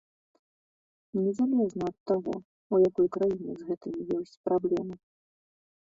Незалежна ад таго, у якой краіне з гэтым ёсць праблемы.